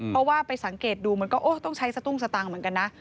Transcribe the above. เพราะว่าไปสังเกตดูมันก็ต้องใช้สตุ้งสตางค์เหมือนกันนะ